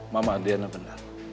mama diana benar